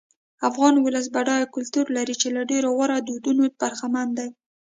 افغان ولس بډای کلتور لري چې له ډېرو غوره دودونو برخمن دی.